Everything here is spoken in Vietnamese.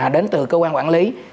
đến từ cơ quan quản lý